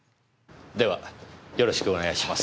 ではよろしくお願いします。